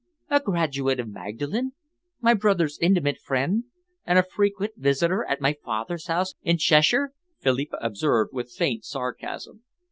"A graduate of Magdalen, my brother's intimate friend, and a frequent visitor at my father's house in Cheshire," Philippa observed, with faint sarcasm.